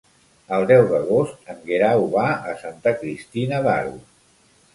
El deu d'agost en Guerau va a Santa Cristina d'Aro.